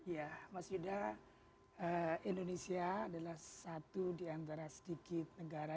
ya mas yuda indonesia adalah satu di antara sedikit negara